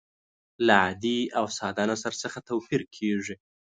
له عادي او ساده نثر څخه توپیر کیږي.